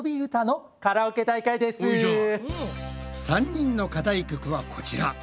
３人の課題曲はこちら。